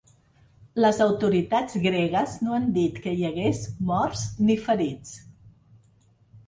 Les autoritats gregues no han dit que hi hagués morts ni ferits.